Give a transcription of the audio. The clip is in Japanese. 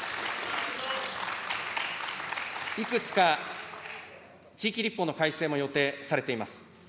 いくつか地域立法の改正も予定されております。